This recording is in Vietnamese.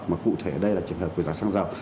mà cụ thể đây là trường hợp của giá xăng dầu